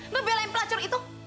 ngebelain pelacur itu